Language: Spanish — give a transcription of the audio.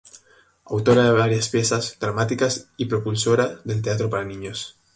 Autora de varias piezas dramáticas y propulsora del teatro para niños.